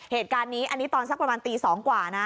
เหตุการณ์นี้อันนี้ตอนสักประมาณตี๒กว่านะ